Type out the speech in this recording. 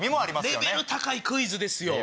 レベル高いクイズですよ。